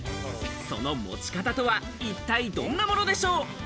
その持ち方とは一体どんなものでしょう？